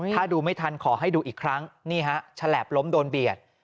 ถ้าดูไม่ทันขอให้ดูอีกครั้งนี่ฮะฉลาบล้มโดนเบียด